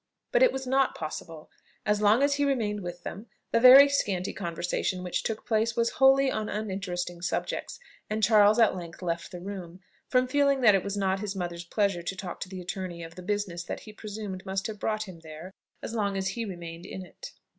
But it was not possible. As long as he remained with them, the very scanty conversation which took place was wholly on uninteresting subjects; and Charles at length left the room, from feeling that it was not his mother's pleasure to talk to the attorney of the business that he presumed must have brought him there, as long as he remained in it.